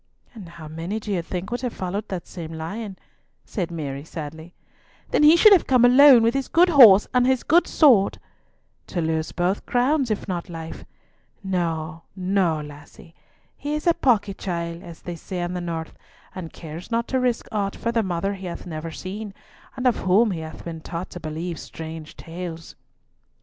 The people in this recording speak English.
"And how many do you think would have followed that same lion?" said Mary, sadly. "Then he should have come alone with his good horse and his good sword!" "To lose both crowns, if not life! No, no, lassie; he is a pawky chiel, as they say in the north, and cares not to risk aught for the mother he hath never seen, and of whom he hath been taught to believe strange tales."